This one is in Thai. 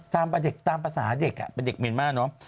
ตามภาษาเด็กเป็นเด็กเมนมากเนอะ